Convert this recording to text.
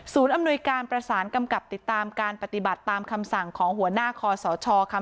อำนวยการประสานกำกับติดตามการปฏิบัติตามคำสั่งของหัวหน้าคอสชค่ะ